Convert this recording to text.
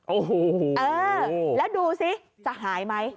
โอ้โหเออแล้วดูสิจะหายไหม